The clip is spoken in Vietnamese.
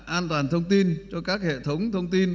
an toàn thông tin cho các hệ thống thông tin